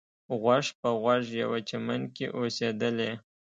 غوږ په غوږ یوه چمن کې اوسېدلې.